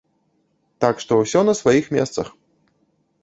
Так што ўсё на сваіх месцах.